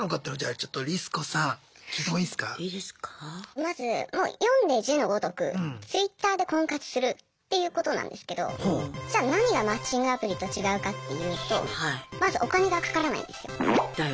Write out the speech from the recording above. まずもう読んで字のごとくＴｗｉｔｔｅｒで婚活するっていうことなんですけどじゃあ何がマッチングアプリと違うかっていうとまずお金がかからないんですよ。